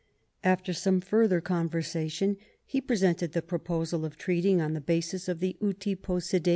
After some further conversation he presented the proposal of treating on the basis of the uti iwssidetis.